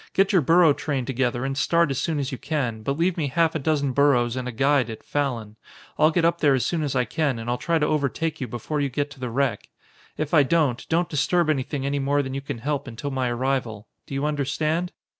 Get your burro train together and start as soon as you can, but leave me half a dozen burros and a guide at Fallon. I'll get up there as soon as I can and I'll try to overtake you before you get to the wreck. If I don't, don't disturb anything any more than you can help until my arrival. Do you understand?"